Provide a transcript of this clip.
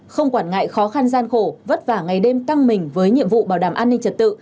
không quản ngại khó khăn gian khổ vất vả ngày đêm căng mình với nhiệm vụ bảo đảm an ninh trật tự